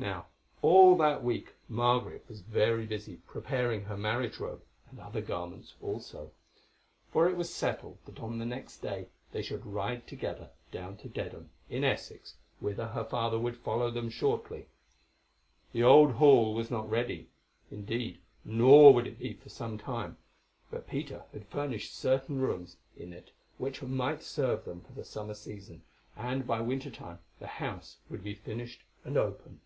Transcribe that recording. Now all that week Margaret was very busy preparing her marriage robe, and other garments also, for it was settled that on the next day they should ride together down to Dedham, in Essex, whither her father would follow them shortly. The Old Hall was not ready, indeed, nor would it be for some time; but Peter had furnished certain rooms in it which might serve them for the summer season, and by winter time the house would be finished and open.